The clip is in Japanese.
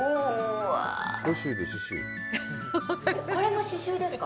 これも刺しゅうですか。